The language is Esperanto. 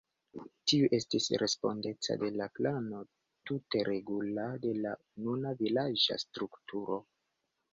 Tiu estis respondeca de la plano tute regula de la nuna vilaĝa strukturo.